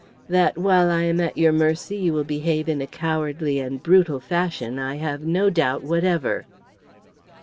"That, while I am at your mercy, you will behave in a cowardly and brutal fashion I have no doubt whatever."